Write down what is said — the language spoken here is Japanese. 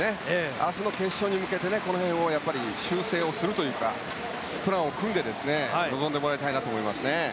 明日の決勝に向けてこの辺を修正するというかプランを組んで臨んでもらいたいなと思います。